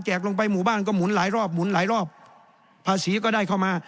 ลงไปหมู่บ้านก็หมุนหลายรอบหมุนหลายรอบภาษีก็ได้เข้ามา